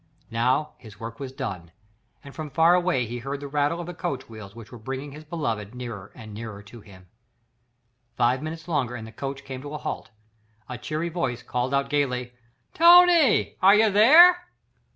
Now his work was done, and from far away he heard the rattle of the coach wheels which were bringing his beloved nearer and nearer to him. Five minutes longer and the coach came to a halt. A cheery voice called out gaily: "Tony! are you there?"